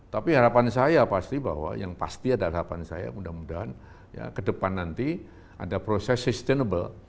tapi harapan saya pasti bahwa yang pasti ada harapan saya mudah mudahan ya ke depan nanti ada proses sustainable